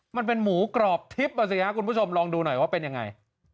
มันเป็นหมูกรอบทิพย์อ่ะสิครับคุณผู้ชมลองดูหน่อยว่าเป็นยังไง